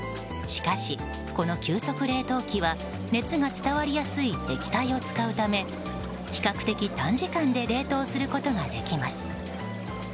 しかし、この急速冷凍器は熱が伝わりやすい液体を使うため比較的、短時間で冷凍することができます。